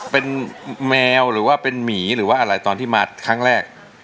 เป็นแมวหรือว่าเป็นหมีหรือว่าอะไรตอนที่มาครั้งแรก